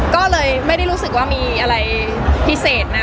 ก็เลยไม่ได้รู้สึกว่ามีอะไรพิเศษนะ